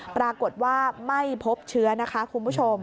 ปรากฏว่าไม่พบเชื้อนะคะคุณผู้ชม